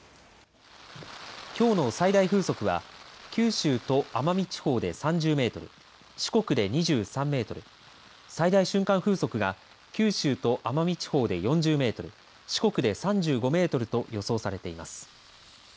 きょうの最大風速は九州と奄美地方で３０メートル、四国で２３メートル、最大瞬間風速が九州と奄美地方で４０メートル、四国で３５メートルと予想されています。